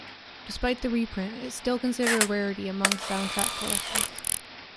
Despite the reprint, it is still considered a rarity among soundtrack collectors.